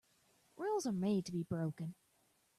Rules are made to be broken.